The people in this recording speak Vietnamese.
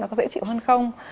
nó có dễ chịu hơn không